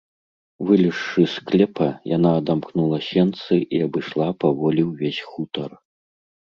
Вылезшы з склепа, яна адамкнула сенцы і абышла паволі ўвесь хутар.